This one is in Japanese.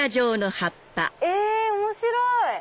え面白い！